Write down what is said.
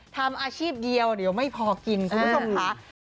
ทำอาชีพเดียวเดี๋ยวไม่พอกินคุณผู้ชมค่ะ